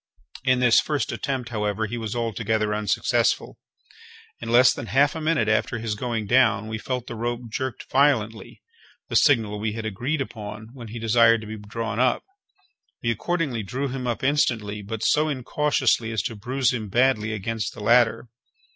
In this first attempt, however, he was altogether unsuccessful. In less than half a minute after his going down we felt the rope jerked violently (the signal we had agreed upon when he desired to be drawn up). We accordingly drew him up instantly, but so incautiously as to bruise him badly against the ladder.